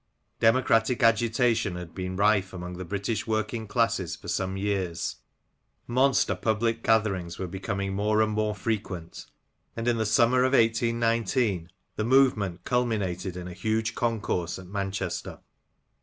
Democratic agitation had been rife among the British working classes for some years ; monster public gatherings were becoming more and more frequent ; and in the summer of iSiQthe movement culminated in a huge concourse at Manchester.